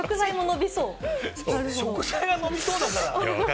食材が伸びそうだから。